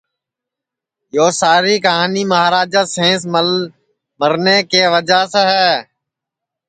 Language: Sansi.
یو ساری کُہانی مہاراجا سینس مل مرنے کی وجعہ سے ہے